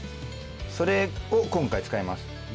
それを今回使います。